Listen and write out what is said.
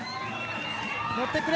乗ってくれ！